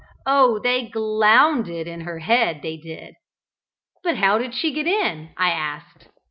oh they glounded in her head, they did!" "But how did she get in?" I asked.